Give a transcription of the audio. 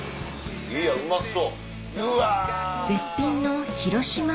いやうまそううわ！